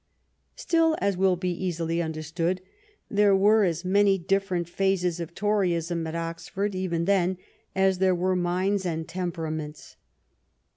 Still, as will be easily understood, there were as many different phases of Toryism at Oxford, even then, as there were minds and temperaments.